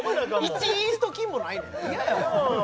１イースト菌もないねん嫌やわ